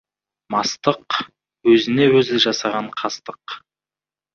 Мастық — өзіне-өзі жасаған қастық.